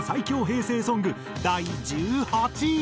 平成ソング第１８位。